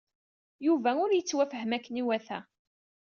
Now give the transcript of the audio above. Yuba ur yettwafhem akken iwata.